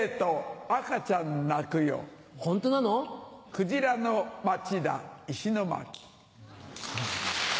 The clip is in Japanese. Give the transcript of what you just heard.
クジラの町だ石巻。